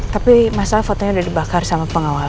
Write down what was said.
tapi mas al fotonya udah dibakar sama pengawal